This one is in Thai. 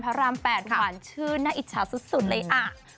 กราบชื่นน่าอิจฉาสุดเลยอะ